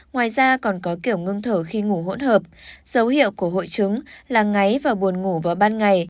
ngoài ra còn có kiểu ngưng thở khi ngủ hỗn hợp dấu hiệu của hội chứng là ngáy và buồn ngủ vào ban ngày